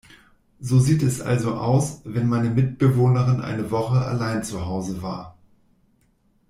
So sieht es also aus, wenn meine Mitbewohnerin eine Woche allein zu Haus war.